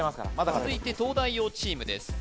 続いて東大王チームです